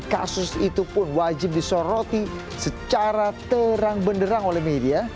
kasus itu pun wajib disoroti secara terang benderang oleh media